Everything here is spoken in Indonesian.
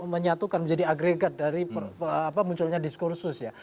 menyatukan menjadi agregat dari munculnya diskursus ya